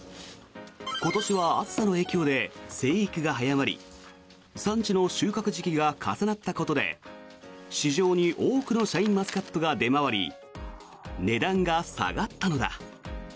今年は暑さの影響で生育が早まり産地の収穫時期が重なったことで市場に、多くのシャインマスカットが出回り値段が下がったのだ。